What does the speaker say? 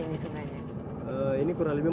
forks kita sudah hampir sampai